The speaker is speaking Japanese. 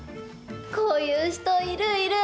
こういう人いるいる。